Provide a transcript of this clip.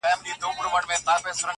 خاطره: د جلال آباد سفر